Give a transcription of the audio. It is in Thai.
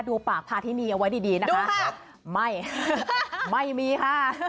ดูปากพาทินีเอาไว้ดีดีนะคะไม่ไม่มีค่ะ